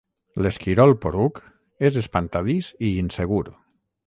L'Esquirol Poruc és espantadís i insegur.